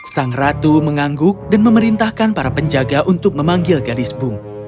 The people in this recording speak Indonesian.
sang ratu mengangguk dan memerintahkan para penjaga untuk memanggil gadis bung